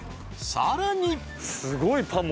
［さらに］